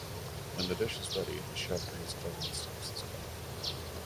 When the dish is ready, the chef rings a bell and stops his clock.